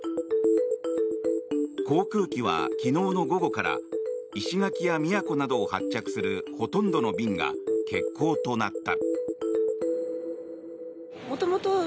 航空機は昨日の午後から石垣や宮古などを発着するほとんどの便が欠航となった。